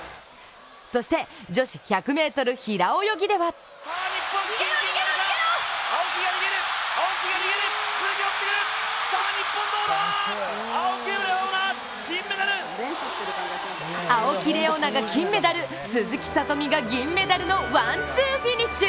そして女子１００ｍ平泳ぎでは青木玲緒樹が金メダル、鈴木聡美が銀メダルのワンツーフィニッシュ。